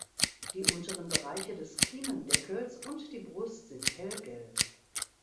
Die unteren Bereiche des Kiemendeckels und die Brust sind hellgelb.